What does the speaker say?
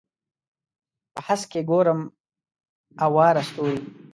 په هسک کې ګورم اواره ستوري